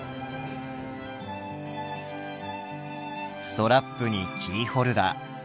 ストラップにキーホルダー。